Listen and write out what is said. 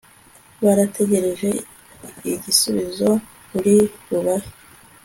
barategereje igisubizo uri bubahe